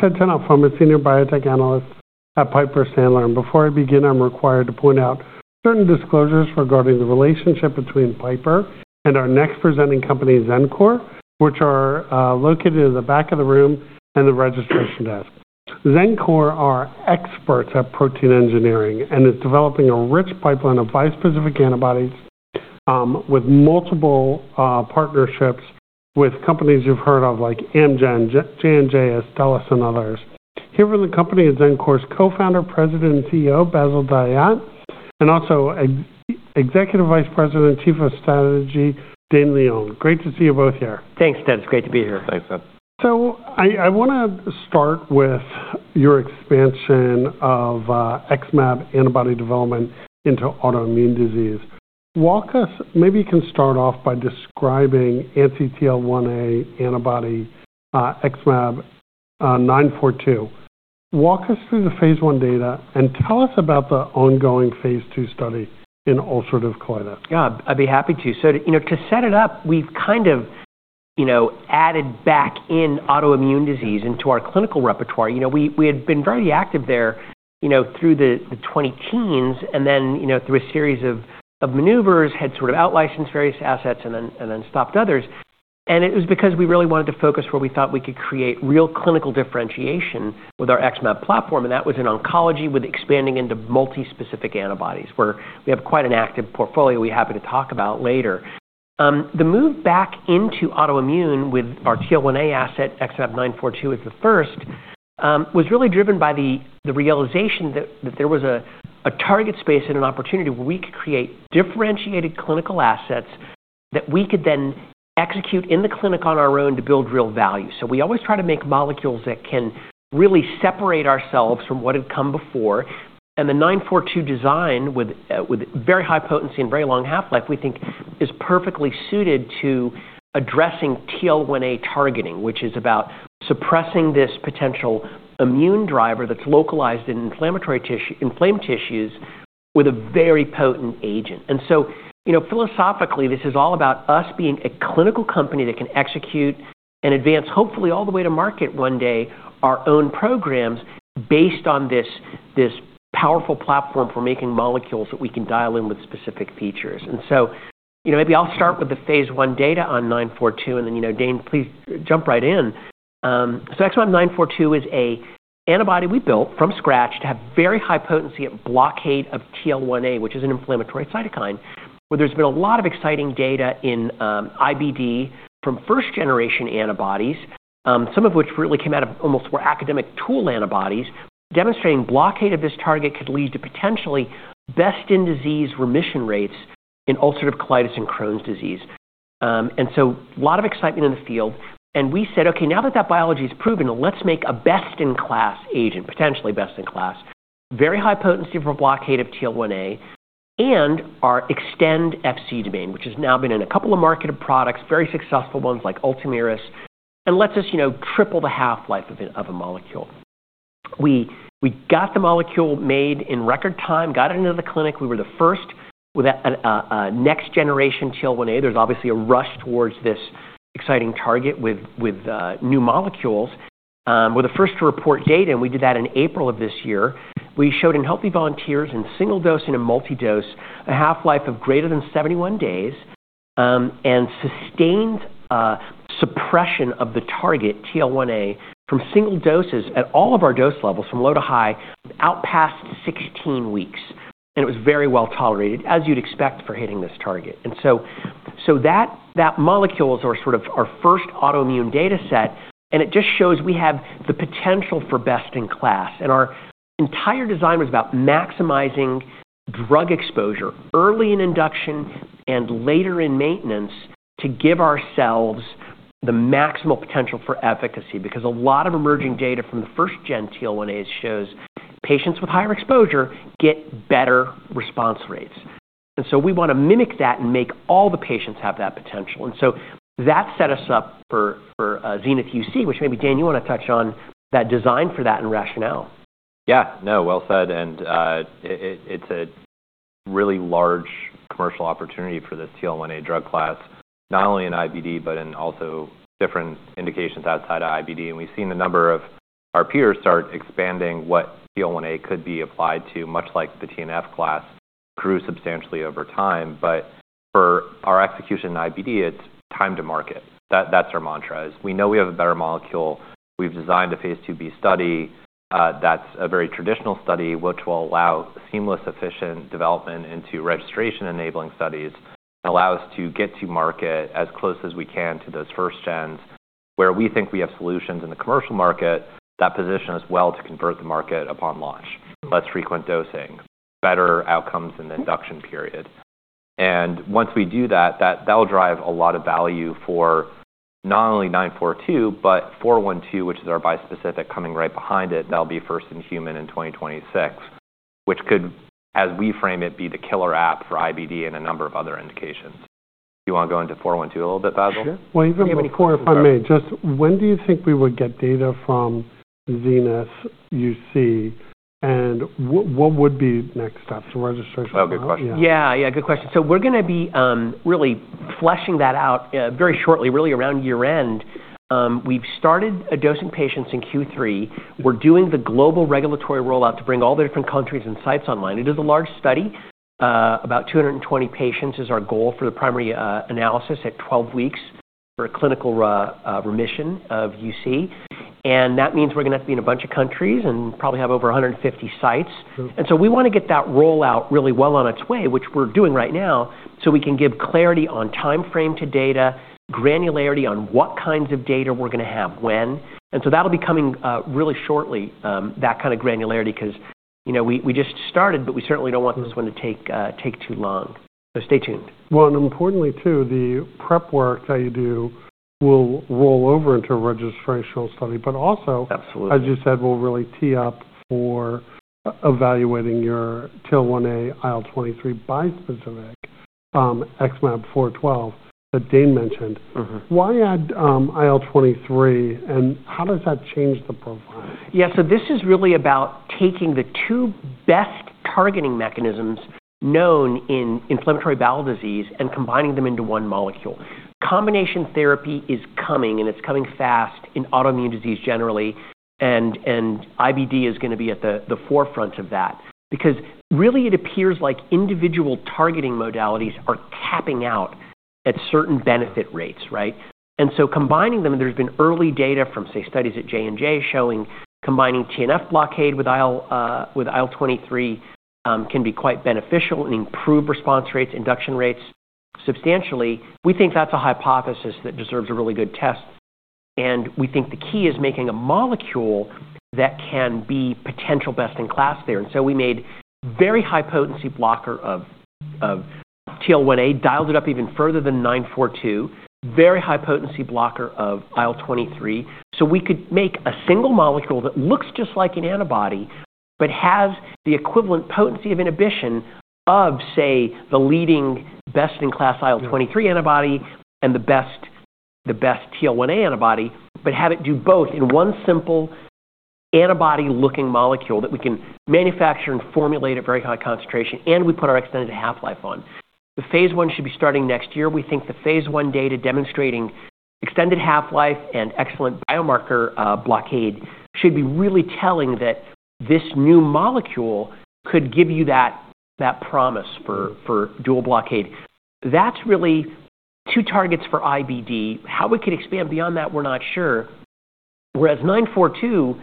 Ted Tenthoff, I'm a Senior Biotech Analyst at Piper Sandler, and before I begin, I'm required to point out certain disclosures regarding the relationship between Piper and our next presenting company, Xencor, which are located in the back of the room and the registration desk. Xencor are experts at protein engineering and are developing a rich pipeline of bispecific antibodies with multiple partnerships with companies you've heard of, like Amgen, J&J, Astellas, and others. Here from the company is Xencor's co-founder, president, and CEO, Bassil Dahiyat, and also Executive Vice President and Chief Strategy Officer, Dane Leone. Great to see you both here. Thanks, Ted. Great to be here. Thanks, Ted. So I want to start with your expansion of XmAb antibody development into autoimmune disease. Maybe you can start off by describing anti-TL1A antibody XmAb942. Walk us through the phase I data and tell us about the ongoing phase II study in ulcerative colitis. Yeah, I'd be happy to. So to set it up, we've kind of added back in autoimmune disease into our clinical repertoire. We had been very active there through the 20 teens, and then through a series of maneuvers, had sort of out-licensed various assets and then stopped others. And it was because we really wanted to focus where we thought we could create real clinical differentiation with our XmAb platform, and that was in oncology with expanding into multispecific antibodies, where we have quite an active portfolio we're happy to talk about later. The move back into autoimmune with our TL1A asset, XmAb942, was really driven by the realization that there was a target space and an opportunity where we could create differentiated clinical assets that we could then execute in the clinic on our own to build real value. We always try to make molecules that can really separate ourselves from what had come before. The XmAb942 design, with very high potency and very long half-life, we think is perfectly suited to addressing TL1A targeting, which is about suppressing this potential immune driver that's localized in inflamed tissues with a very potent agent. Philosophically, this is all about us being a clinical company that can execute and advance, hopefully all the way to market one day, our own programs based on this powerful platform for making molecules that we can dial in with specific features. Maybe I'll start with the phase I data on XmAb942, and then Dane, please jump right in. So, XmAb942 is an antibody we built from scratch to have very high potency at blockade of TL1A, which is an inflammatory cytokine, where there's been a lot of exciting data in IBD from first-generation antibodies, some of which really came out of almost more academic tool antibodies, demonstrating blockade of this target could lead to potentially best-in-disease remission rates in ulcerative colitis and Crohn's disease. And so a lot of excitement in the field. And we said, "Okay, now that that biology is proven, let's make a best-in-class agent, potentially best-in-class, very high potency for blockade of TL1A and our Xtend Fc domain," which has now been in a couple of marketed products, very successful ones like ULTOMIRIS, and lets us triple the half-life of a molecule. We got the molecule made in record time, got it into the clinic. We were the first with a next-generation TL1A. There's obviously a rush towards this exciting target with new molecules. We're the first to report data, and we did that in April of this year. We showed in healthy volunteers in single dose and in multi-dose a half-life of greater than 71 days and sustained suppression of the target TL1A from single doses at all of our dose levels from low to high, out past 16 weeks. And it was very well tolerated, as you'd expect for hitting this target. And so that molecule is sort of our first autoimmune data set, and it just shows we have the potential for best-in-class. And our entire design was about maximizing drug exposure early in induction and later in maintenance to give ourselves the maximal potential for efficacy because a lot of emerging data from the first-gen TL1As shows patients with higher exposure get better response rates. And so we want to mimic that and make all the patients have that potential. And so that set us up for XENITH-UC, which maybe, Dane, you want to touch on that design for that and rationale. Yeah, no, well said. And it's a really large commercial opportunity for the TL1A drug class, not only in IBD, but also in different indications outside of IBD. And we've seen a number of our peers start expanding what TL1A could be applied to, much like the TNF class grew substantially over time. But for our execution in IBD, it's time to market. That's our mantra. We know we have a better molecule. We've designed a phase II-B study that's a very traditional study, which will allow seamless, efficient development into registration-enabling studies and allow us to get to market as close as we can to those first gens where we think we have solutions in the commercial market that position us well to convert the market upon launch, less frequent dosing, better outcomes in the induction period. And once we do that, that will drive a lot of value for not only XmAb942, but XmAb412, which is our bispecific coming right behind it. That'll be first in human in 2026, which could, as we frame it, be the killer app for IBD and a number of other indications. Do you want to go into XmAb412 a little bit, Bassil? Sure. Well, even before if I may, just when do you think we would get data from XENITH-UC, and what would be next steps? Oh, good question. Yeah, yeah, good question. So we're going to be really fleshing that out very shortly, really around year-end. We've started dosing patients in Q3. We're doing the global regulatory rollout to bring all the different countries and sites online. It is a large study. About 220 patients is our goal for the primary analysis at 12 weeks for clinical remission of UC. And that means we're going to have to be in a bunch of countries and probably have over 150 sites. And so we want to get that rollout really well on its way, which we're doing right now, so we can give clarity on timeframe to data, granularity on what kinds of data we're going to have when. And so that'll be coming really shortly, that kind of granularity, because we just started, but we certainly don't want this one to take too long. So stay tuned. And importantly, too, the prep work that you do will roll over into a registrational study, but also, as you said, we'll really tee up for evaluating your TL1A IL-23 bispecific XmAb412 that Dane mentioned. Why add IL-23, and how does that change the profile? Yeah, so this is really about taking the two best targeting mechanisms known in inflammatory bowel disease and combining them into one molecule. Combination therapy is coming, and it's coming fast in autoimmune disease generally. And IBD is going to be at the forefront of that because really it appears like individual targeting modalities are tapping out at certain benefit rates, right? And so combining them, there's been early data from, say, studies at J&J showing combining TNF blockade with IL-23 can be quite beneficial and improve response rates, induction rates substantially. We think that's a hypothesis that deserves a really good test. And we think the key is making a molecule that can be potential best-in-class there. And so we made a very high-potency blocker of TL1A, dialed it up even further than XmAb942, very high-potency blocker of IL-23. So we could make a single molecule that looks just like an antibody but has the equivalent potency of inhibition of, say, the leading best-in-class IL-23 antibody and the best TL1A antibody, but have it do both in one simple antibody-looking molecule that we can manufacture and formulate at very high concentration, and we put our extended half-life on. The phase I should be starting next year. We think the phase I data demonstrating extended half-life and excellent biomarker blockade should be really telling that this new molecule could give you that promise for dual blockade. That's really two targets for IBD. How we could expand beyond that, we're not sure. Whereas XmAb942,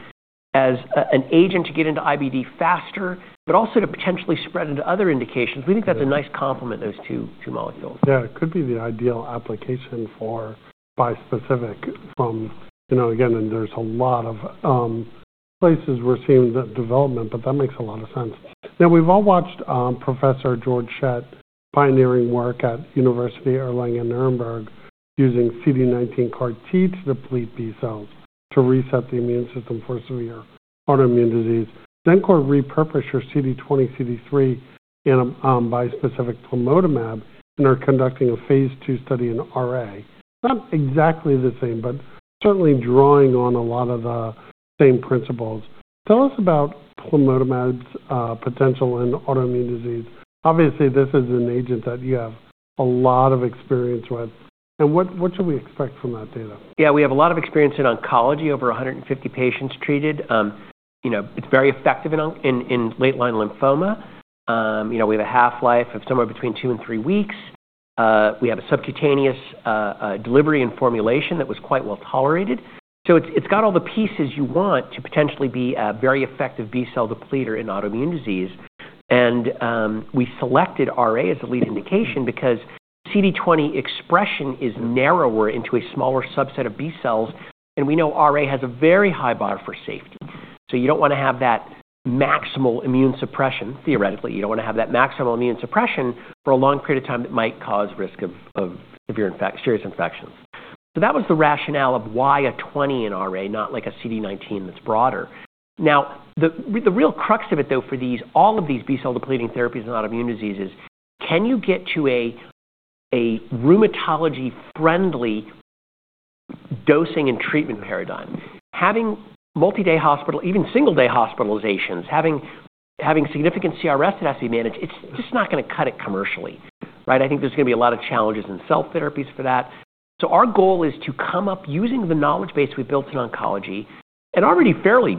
as an agent to get into IBD faster, but also to potentially spread into other indications, we think that's a nice complement, those two molecules. Yeah, it could be the ideal application for bispecific form, again, there's a lot of places we're seeing that development, but that makes a lot of sense. Now, we've all watched Professor Georg Schett's pioneering work at the University of Erlangen-Nuremberg using CD19 CAR-T to deplete B cells to reset the immune system for severe autoimmune disease. Xencor repurposed your CD20 x CD3, and bispecific plamotamab and are conducting a phase II study in RA. Not exactly the same, but certainly drawing on a lot of the same principles. Tell us about plamotamab's potential in autoimmune disease. Obviously, this is an agent that you have a lot of experience with. And what should we expect from that data? Yeah, we have a lot of experience in oncology, over 150 patients treated. It's very effective in late-line lymphoma. We have a half-life of somewhere between two and three weeks. We have a subcutaneous delivery and formulation that was quite well tolerated. So it's got all the pieces you want to potentially be a very effective B cell depleter in autoimmune disease. And we selected RA as a lead indication because CD20 expression is narrower into a smaller subset of B cells, and we know RA has a very high bar for safety. So you don't want to have that maximal immune suppression, theoretically. You don't want to have that maximal immune suppression for a long period of time that might cause risk of serious infections. So that was the rationale of why CD20 in RA, not like a CD19 that's broader. Now, the real crux of it, though, for all of these B cell depleting therapies in autoimmune disease is, can you get to a rheumatology-friendly dosing and treatment paradigm? Having multi-day hospital, even single-day hospitalizations, having significant CRS that has to be managed, it's just not going to cut it commercially, right? I think there's going to be a lot of challenges in cell therapies for that. So our goal is to come up using the knowledge base we built in oncology and already fairly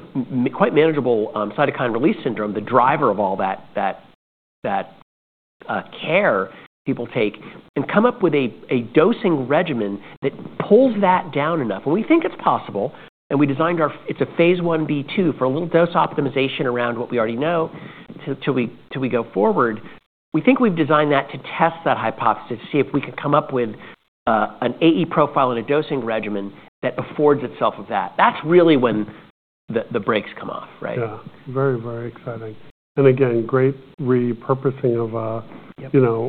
quite manageable cytokine release syndrome, the driver of all that care people take, and come up with a dosing regimen that pulls that down enough. And we think it's possible, and we designed our. It's a phase I-B/II for a little dose optimization around what we already know until we go forward. We think we've designed that to test that hypothesis, see if we can come up with an AE profile and a dosing regimen that affords itself of that. That's really when the brakes come off, right? Yeah, very, very exciting. And again, great repurposing of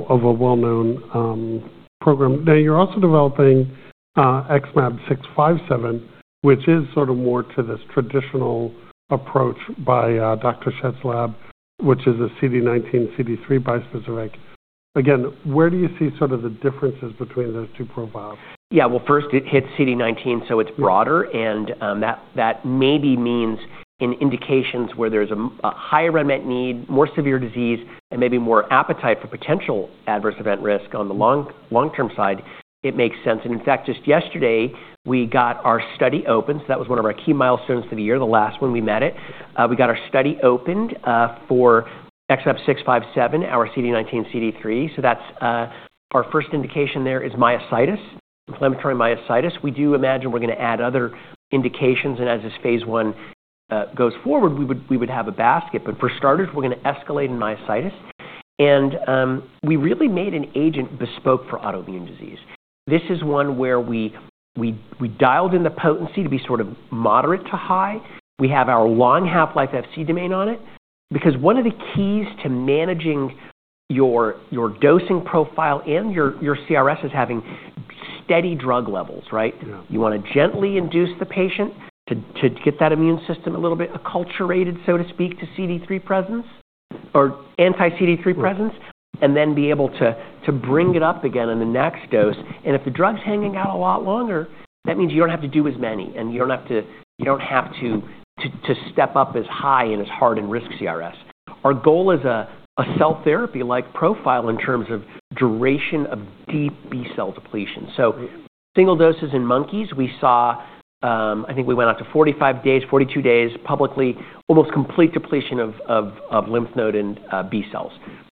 a well-known program. Now, you're also developing XmAb657, which is sort of more to this traditional approach by Dr. Schett's lab, which is a CD19/CD3 bispecific. Again, where do you see sort of the differences between those two profiles? Yeah, well, first, it hits CD19, so it's broader. And that maybe means in indications where there's a higher unmet need, more severe disease, and maybe more appetite for potential adverse event risk on the long-term side, it makes sense. And in fact, just yesterday, we got our study open. So that was one of our key milestones of the year, the last one we met it. We got our study opened for XmAb657, our CD19/CD3. So that's our first indication there is myositis, inflammatory myositis. We do imagine we're going to add other indications. And as this phase I goes forward, we would have a basket. But for starters, we're going to escalate in myositis. And we really made an agent bespoke for autoimmune disease. This is one where we dialed in the potency to be sort of moderate to high. We have our long half-life Fc domain on it because one of the keys to managing your dosing profile and your CRS is having steady drug levels, right? You want to gently induce the patient to get that immune system a little bit acculturated, so to speak, to CD3 presence or anti-CD3 presence, and then be able to bring it up again in the next dose, and if the drug's hanging out a lot longer, that means you don't have to do as many, and you don't have to step up as high and as hard and risk CRS. Our goal is a cell therapy-like profile in terms of duration of deep B cell depletion, so single doses in monkeys, we saw, I think we went out to 45 days, 42 days publicly, almost complete depletion of lymph node and B cells,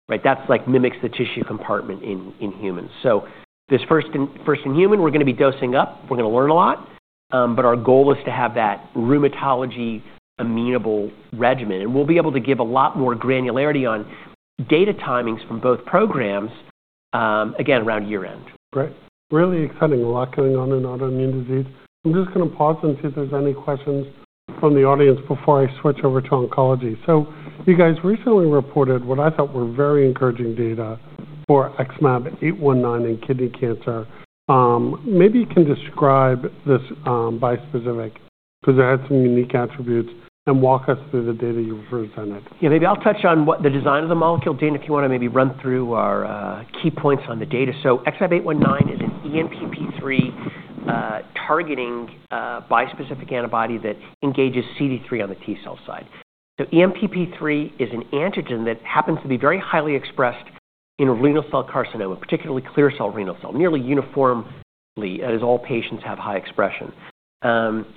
right? That's, like, mimics the tissue compartment in humans. So, this first-in-human, we're going to be dosing up. We're going to learn a lot. But our goal is to have that rheumatology-amenable regimen. And we'll be able to give a lot more granularity on data timings from both programs, again, around year-end. Right. Really exciting. A lot going on in autoimmune disease. I'm just going to pause and see if there's any questions from the audience before I switch over to oncology. So you guys recently reported what I thought were very encouraging data for XmAb819 in kidney cancer. Maybe you can describe this bispecific because it had some unique attributes and walk us through the data you presented. Yeah, maybe I'll touch on the design of the molecule. Dane, if you want to maybe run through our key points on the data. So XmAb819 is an ENPP3 targeting bispecific antibody that engages CD3 on the T cell side. So ENPP3 is an antigen that happens to be very highly expressed in renal cell carcinoma, particularly clear cell renal cell, nearly uniformly as all patients have high expression.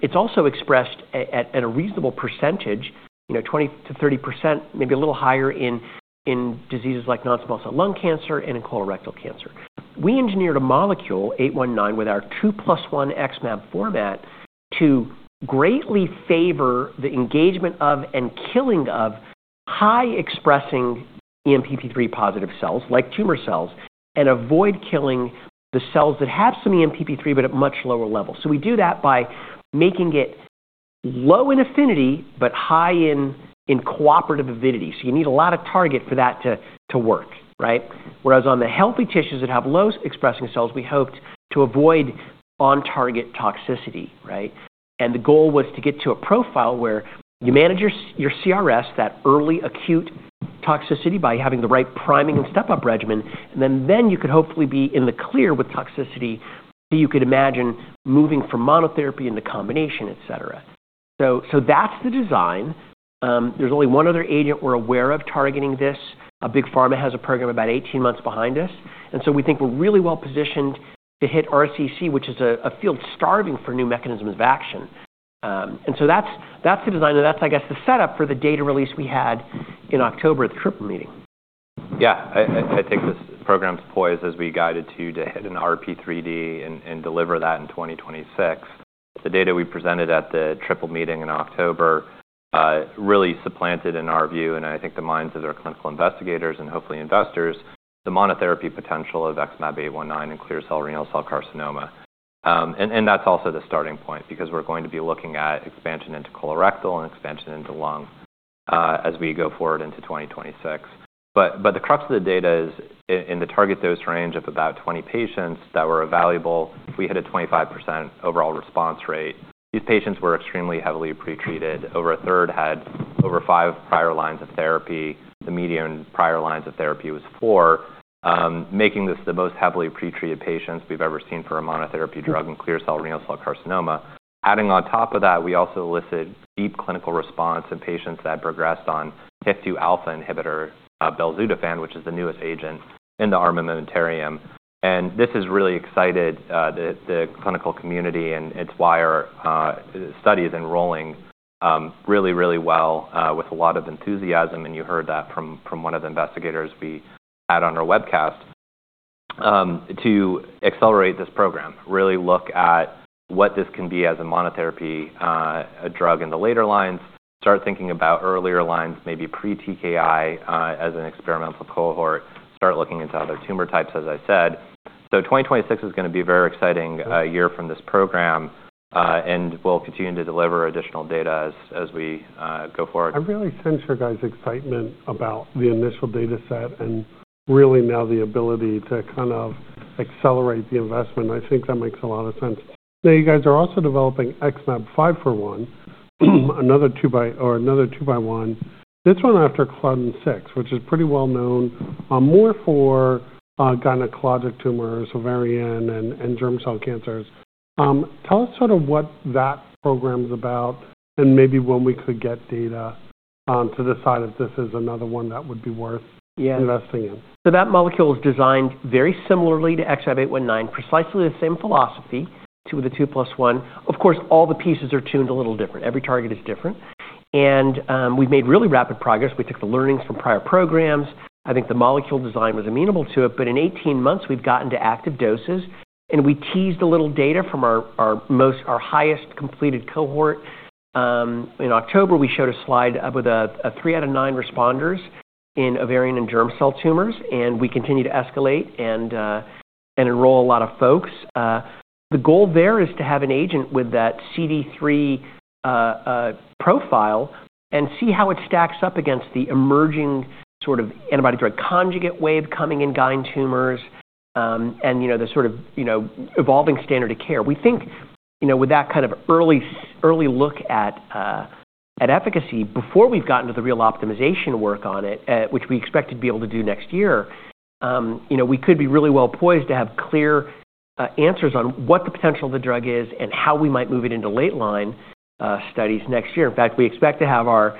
It's also expressed at a reasonable percentage, 20%-30%, maybe a little higher in diseases like non-small cell lung cancer and in colorectal cancer. We engineered a molecule, XmAb819, with our 2+1 XmAb format to greatly favor the engagement of and killing of high-expressing ENPP3 positive cells like tumor cells and avoid killing the cells that have some ENPP3 but at much lower levels. So we do that by making it low in affinity but high in cooperative avidity. So you need a lot of target for that to work, right? Whereas on the healthy tissues that have low-expressing cells, we hoped to avoid on-target toxicity, right? And the goal was to get to a profile where you manage your CRS, that early acute toxicity by having the right priming and step-up regimen, and then you could hopefully be in the clear with toxicity that you could imagine moving from monotherapy into combination, etc. So that's the design. There's only one other agent we're aware of targeting this. A big pharma has a program about 18 months behind us. And so we think we're really well positioned to hit RCC, which is a field starving for new mechanisms of action. And so that's the design, and that's, I guess, the setup for the data release we had in October at the triple meeting. Yeah, I think this program's poised as we guided to hit an RP3D and deliver that in 2026. The data we presented at the triple meeting in October really bolstered in our view, and I think the minds of our clinical investigators and hopefully investors, the monotherapy potential of XmAb819 in clear cell renal cell carcinoma. And that's also the starting point because we're going to be looking at expansion into colorectal and expansion into lung as we go forward into 2026. But the crux of the data is in the target dose range of about 20 patients that were evaluable. We hit a 25% overall response rate. These patients were extremely heavily pretreated. Over a third had over five prior lines of therapy. The median prior lines of therapy was four, making this the most heavily pretreated patients we've ever seen for a monotherapy drug in clear cell renal cell carcinoma. Adding on top of that, we also elicit deep clinical response in patients that progressed on HIF-2 alpha inhibitor, belzutifan, which is the newest agent in the armamentarium, and this has really excited the clinical community and its why our study is enrolling really, really well with a lot of enthusiasm. And you heard that from one of the investigators we had on our webcast to accelerate this program, really look at what this can be as a monotherapy drug in the later lines, start thinking about earlier lines, maybe pre-TKI as an experimental cohort, start looking into other tumor types, as I said. 2026 is going to be a very exciting year from this program, and we'll continue to deliver additional data as we go forward. I really sense you guys' excitement about the initial data set and really now the ability to kind of accelerate the investment. I think that makes a lot of sense. Now, you guys are also developing XmAb541, another 2+1. This one targets Claudin-6, which is pretty well known, more for gynecologic tumors, ovarian, and germ cell cancers. Tell us sort of what that program's about and maybe when we could get data to decide if this is another one that would be worth investing in. Yeah. So that molecule is designed very similarly to XmAb819, precisely the same philosophy, 2+1. Of course, all the pieces are tuned a little different. Every target is different. And we've made really rapid progress. We took the learnings from prior programs. I think the molecule design was amenable to it. But in 18 months, we've gotten to active doses. And we teased a little data from our highest completed cohort. In October, we showed a slide with three out of nine responders in ovarian and germ cell tumors. And we continue to escalate and enroll a lot of folks. The goal there is to have an agent with that CD3 profile and see how it stacks up against the emerging sort of antibody drug conjugate wave coming in gynecologic tumors and the sort of evolving standard of care. We think with that kind of early look at efficacy before we've gotten to the real optimization work on it, which we expect to be able to do next year, we could be really well poised to have clear answers on what the potential of the drug is and how we might move it into late-line studies next year. In fact, we expect to have our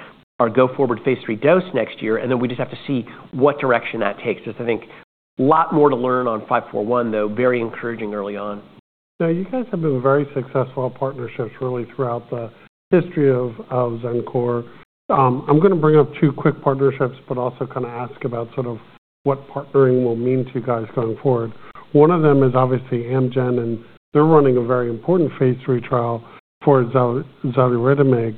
go-forward phase III dose next year, and then we just have to see what direction that takes. There's, I think, a lot more to learn on XmAb541, though, very encouraging early on. Now, you guys have been very successful partnerships really throughout the history of Xencor. I'm going to bring up two quick partnerships, but also kind of ask about sort of what partnering will mean to you guys going forward. One of them is obviously Amgen, and they're running a very important phase III trial for Xaluritamig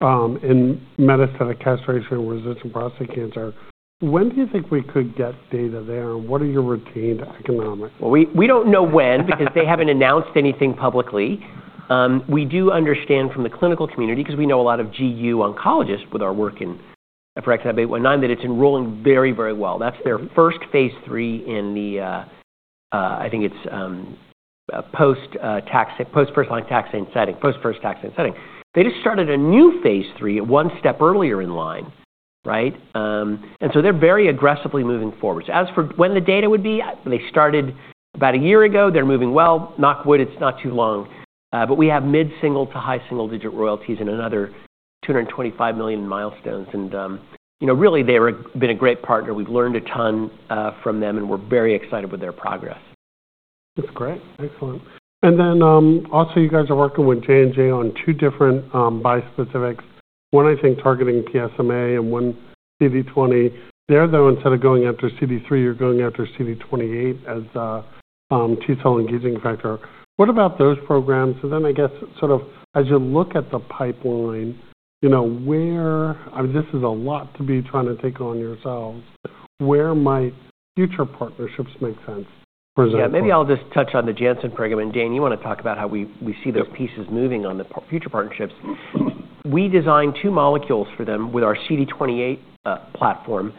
in metastatic castration-resistant prostate cancer. When do you think we could get data there, and what are your retained economics? We don't know when because they haven't announced anything publicly. We do understand from the clinical community because we know a lot of GU oncologists with our work in XmAb819 that it's enrolling very, very well. That's their first phase III in the, I think it's post-first-line taxane setting. They just started a new phase III one step earlier in line, right? And so they're very aggressively moving forward. So as for when the data would be, they started about a year ago. They're moving well. Knock wood, it's not too long. But we have mid-single to high-single digit royalties and another $225 million milestones. And really, they've been a great partner. We've learned a ton from them, and we're very excited with their progress. That's great. Excellent. And then also, you guys are working with J&J on two different bispecifics, one I think targeting PSMA and one CD20. There, though, instead of going after CD3, you're going after CD28 as a T cell engaging factor. What about those programs? And then I guess sort of as you look at the pipeline, where I mean, this is a lot to be trying to take on yourselves. Where might future partnerships make sense for Xencor? Yeah, maybe I'll just touch on the Janssen program. And Dane, you want to talk about how we see those pieces moving on the future partnerships. We designed two molecules for them with our CD28 platform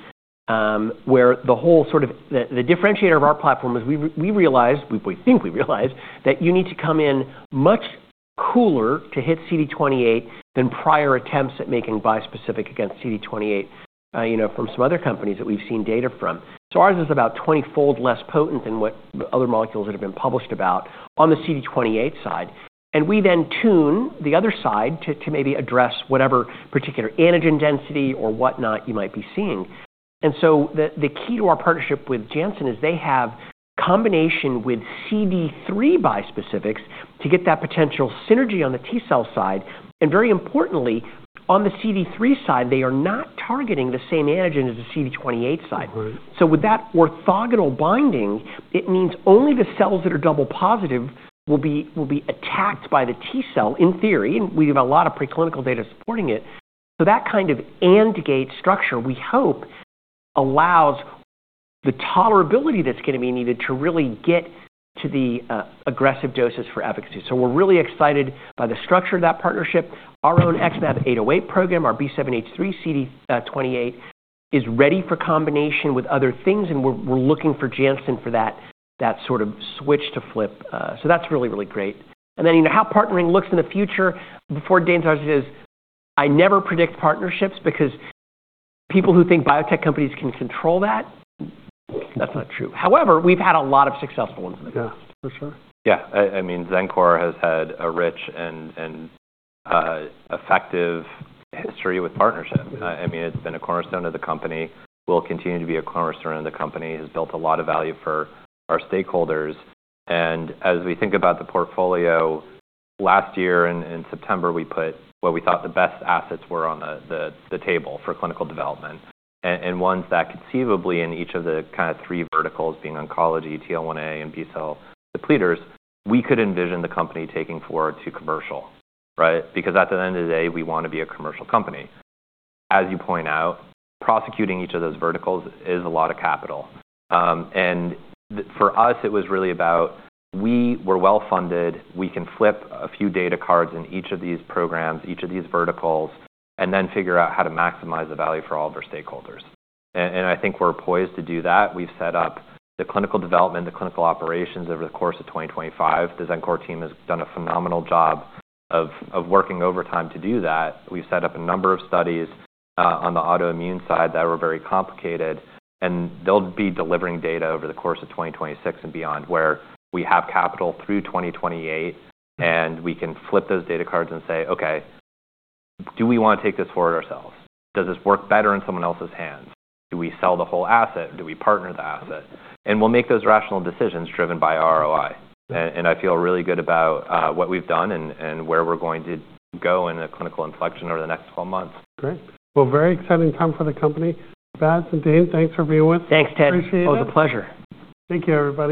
where the whole sort of the differentiator of our platform is we realized, we think we realized, that you need to come in much cooler to hit CD28 than prior attempts at making bispecific against CD28 from some other companies that we've seen data from. So ours is about 20-fold less potent than what other molecules that have been published about on the CD28 side. And we then tune the other side to maybe address whatever particular antigen density or whatnot you might be seeing. And so the key to our partnership with Janssen is they have combination with CD3 bispecifics to get that potential synergy on the T cell side. Very importantly, on the CD3 side, they are not targeting the same antigen as the CD28 side. So with that orthogonal binding, it means only the cells that are double positive will be attacked by the T cell in theory. And we have a lot of preclinical data supporting it. So that kind of AND gate structure, we hope, allows the tolerability that's going to be needed to really get to the aggressive doses for efficacy. So we're really excited by the structure of that partnership. Our own XmAb808 program, our B7-H3/CD28, is ready for combination with other things, and we're looking for Janssen for that sort of switch to flip. So that's really, really great. And then how partnering looks in the future, as Dane already says, I never predict partnerships because people who think biotech companies can control that. That's not true. However, we've had a lot of successful ones in the past. Yeah, for sure. Yeah. I mean, Xencor has had a rich and effective history with partnerships. I mean, it's been a cornerstone of the company, will continue to be a cornerstone of the company, has built a lot of value for our stakeholders. And as we think about the portfolio, last year in September, we put what we thought the best assets were on the table for clinical development. And ones that conceivably in each of the kind of three verticals being oncology, TL1A, and B-cell depleters, we could envision the company taking forward to commercial, right? Because at the end of the day, we want to be a commercial company. As you point out, prosecuting each of those verticals is a lot of capital. And for us, it was really about we were well funded. We can flip a few data cards in each of these programs, each of these verticals, and then figure out how to maximize the value for all of our stakeholders. And I think we're poised to do that. We've set up the clinical development, the clinical operations over the course of 2025. The Xencor team has done a phenomenal job of working overtime to do that. We've set up a number of studies on the autoimmune side that were very complicated. And they'll be delivering data over the course of 2026 and beyond where we have capital through 2028. And we can flip those data cards and say, "Okay, do we want to take this forward ourselves? Does this work better in someone else's hands? Do we sell the whole asset? Do we partner the asset?" And we'll make those rational decisions driven by ROI. I feel really good about what we've done and where we're going to go in a clinical inflection over the next 12 months. Great. Well, very exciting time for the company. Bass and Dane, thanks for being with us. Thanks, Ted. It was a pleasure. Thank you, everybody.